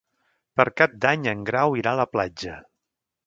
Per Cap d'Any en Grau irà a la platja.